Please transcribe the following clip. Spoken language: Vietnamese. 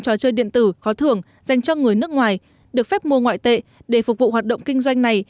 trò chơi điện tử khó thưởng dành cho người nước ngoài được phép mua ngoại tệ để phục vụ hoạt động kinh doanh này